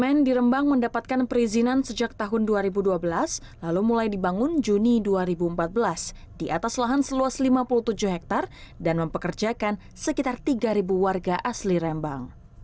kemen di rembang mendapatkan perizinan sejak tahun dua ribu dua belas lalu mulai dibangun juni dua ribu empat belas di atas lahan seluas lima puluh tujuh hektare dan mempekerjakan sekitar tiga warga asli rembang